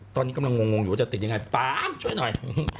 ตอนนี้กำลังงงอยู่ว่าจะติดยังไงปามช่วยหน่อย